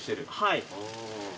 はい。